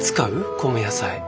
米野菜。